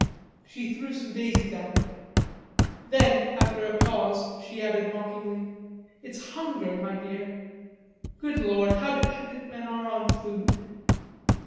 She threw some daisies at him. Then, after a pause, she added mockingly: "It's hunger, my dear. Good Lord, how dependent men are on food!"